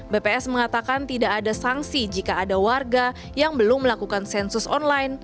bps mengatakan tidak ada sanksi jika ada warga yang belum melakukan sensus online